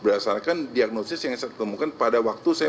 berdasarkan diagnosis yang saya ketemukan pada wakil saya